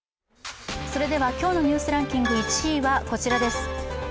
今日の「ニュースランキング」１位はこちらです。